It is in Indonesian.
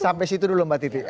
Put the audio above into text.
sampai situ dulu mbak titi